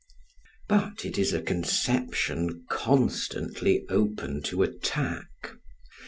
But it is a conception constantly open to attack.